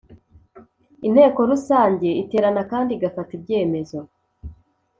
Inteko Rusange iterana kandi igafata ibyemezo